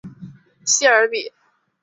谢尔比。